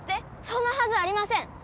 そんなはずありません！